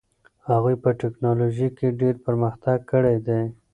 هغوی په ټیکنالوژۍ کې ډېر پرمختګ کړی دي.